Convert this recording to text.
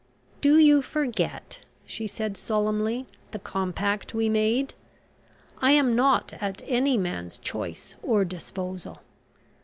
"Do you forget," she said solemnly, "the compact we made? I am not at any man's choice, or disposal.